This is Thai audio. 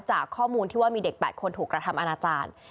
จากข้อมูลที่ว่ามีเด็ก๘คนถูกกระทำอนาจารย์